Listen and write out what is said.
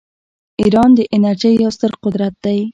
ایران د انرژۍ یو ستر قدرت دی.